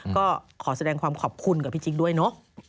ก็ขอแสดงความขอบคุณกับพี่จิ๊กด้วยเนอะ